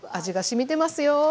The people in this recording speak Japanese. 味がしみてますよ！